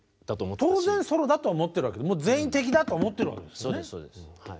当然ソロだと思ってるわけ全員敵だと思ってるわけですよね。